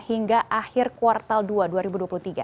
hingga akhir kuartal dua dua ribu dua puluh tiga